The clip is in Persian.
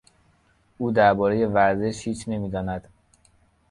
او دربارهی ورزش هیچ نمیداند.